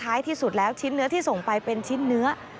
ที่สุดแล้วชิ้นเนื้อที่ส่งไปเป็นชิ้นเนื้อ